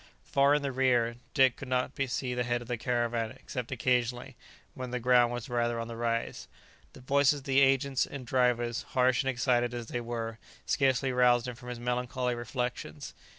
Far in the rear, Dick could not see the head of the caravan except occasionally, when the ground was rather on the rise. The voices of the agents and drivers, harsh and excited as they were, scarcely roused him from his melancholy reflections.